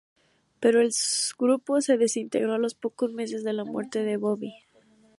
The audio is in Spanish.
Pero el grupo se desintegró a los pocos meses de la muerte de Bobby.